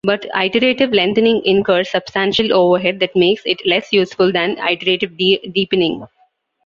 But iterative lengthening incurs substantial overhead that makes it less useful than iterative deepening.